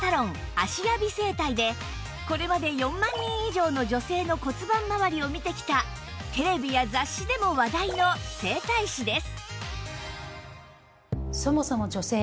芦屋美整体でこれまで４万人以上の女性の骨盤まわりを診てきたテレビや雑誌でも話題の整体師です